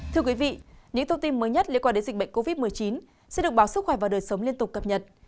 thưa quý vị những thông tin mới nhất liên quan đến dịch bệnh covid một mươi chín sẽ được báo sức khỏe và đời sống liên tục cập nhật